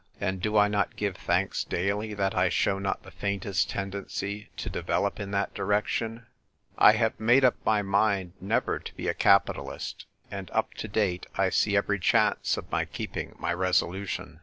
— and do I not give thanks daily that I show not the faintest tendency to develop in that direction ? I have made up AN AUTUMN HOLIDAY. 1 99 my mind never to be a capitalist ; and, up to date, I see every chance of my keeping my resolution.